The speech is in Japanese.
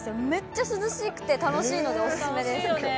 めっちゃ涼しくて楽しめるのでお勧めです。